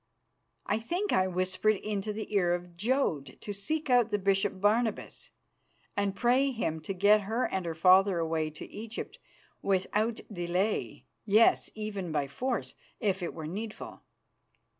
I think I whispered into the ear of Jodd to seek out the Bishop Barnabas, and pray him to get her and her father away to Egypt without delay yes, even by force, if it were needful.